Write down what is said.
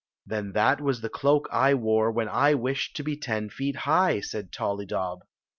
"Then that was the cloak I wore wheii I wisl^ to be ten feet high !" said Tollydob.